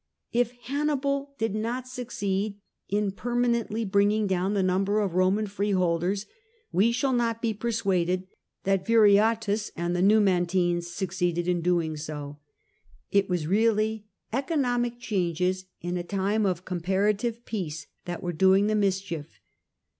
If Hannibal did not succeed in permanently bringing down the number of Roman freeholders, we shall not be persuaded that Viriathus and the Numantines suc ceeded in doing so. It was really economic changes, in a time of comparative peace, that were doing the mischief.